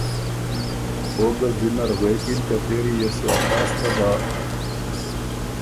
او ګه زلی نر غوېکِن که ”پېری يې سو ا فا سرۀ بۀ